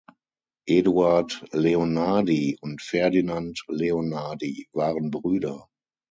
Eduard Leonhardi und Ferdinand Leonhardi waren Brüder.